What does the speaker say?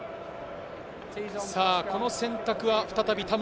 この選択は再び田村。